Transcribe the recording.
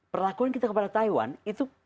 perlakuan kita kepada taiwan itu kita tidak